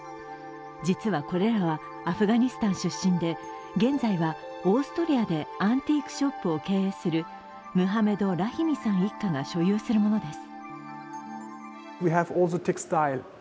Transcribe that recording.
実はこれらはアフガニスタン出身で現在はオーストリアでアンティークショップを経営するムハメド・ラヒミさん一家が所有するものです。